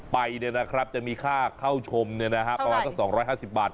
ไปเนี่ยจะมีค่าเข้าชมประมาณต้น๒๕๐บาท